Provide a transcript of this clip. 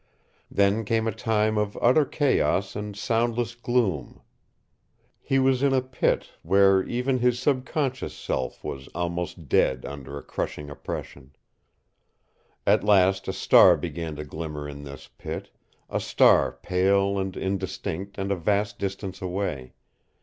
Then came a time of utter chaos and soundless gloom. He was in a pit, where even his subconscious self was almost dead under a crushing oppression. At last a star began to glimmer in this pit, a star pale and indistinct and a vast distance away.